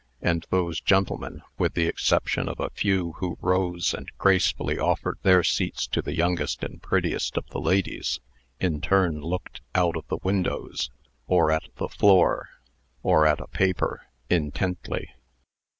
And those gentlemen, with the exception of a few who rose and gracefully offered their seats to the youngest and prettiest of the ladies, in turn looked out of the windows, or at the floor, or at a paper, intently.